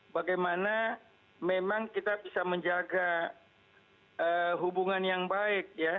bagaimana memang kita bisa menjaga hubungan yang baik ya